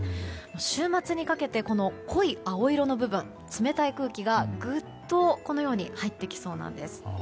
週末にかけてこの濃い青色の部分冷たい空気がぐっと、このように入ってきそうなんです。